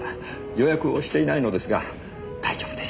予約をしていないのですが大丈夫でしょうか？